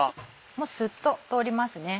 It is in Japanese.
もうスッと通りますね。